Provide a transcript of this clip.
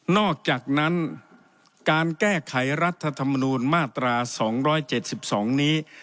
อกจากนั้นการแก้ไขรัฐธรรมนูลมาตรา๒๗๒นี้